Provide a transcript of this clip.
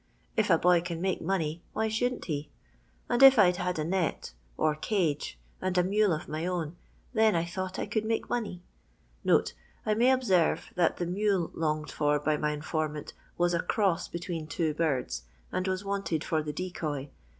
If a boy con make money, why shouldn't hel And if I'd had a net, or cage, and a mule of my own, then, I thought, I could make money." [I may observe that the mule longed for by my informant was a "cross" between two birds, and was wanted for the decoy.